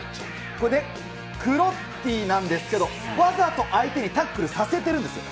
ここね、クロッティなんですけど、わざと相手にタックルさせてるんですよ。